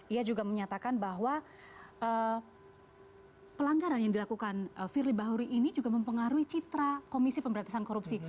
ia juga menyatakan bahwa pelanggaran yang dilakukan firly bahuri ini juga mempengaruhi citra komisi pemberantasan korupsi